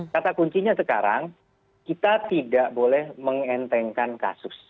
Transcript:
kata kuncinya sekarang kita tidak boleh mengentengkan kasus